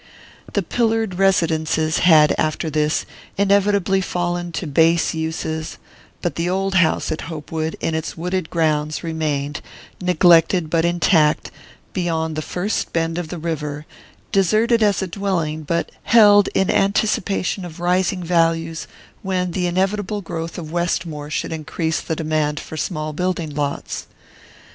The pillared "residences" had, after this, inevitably fallen to base uses; but the old house at Hopewood, in its wooded grounds, remained, neglected but intact, beyond the first bend of the river, deserted as a dwelling but "held" in anticipation of rising values, when the inevitable growth of Westmore should increase the demand for small building lots.